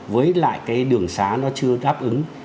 với lại cái đường xá nó chưa đáp ứng